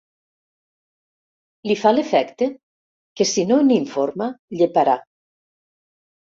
Li fa l'efecte que si no n'informa lleparà.